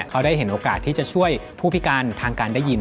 เขาได้เห็นโอกาสที่จะช่วยผู้พิการทางการได้ยิน